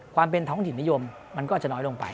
ความเป็นท้องถิ่นนิยมมันก็อาจจะน้อยลงไป